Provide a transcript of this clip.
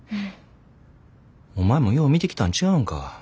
お前もよう見てきたんちゃうんか。